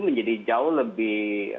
menjadi jauh lebih